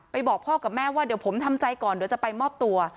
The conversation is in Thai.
บอกพ่อกับแม่ว่าเดี๋ยวผมทำใจก่อนเดี๋ยวจะไปมอบตัว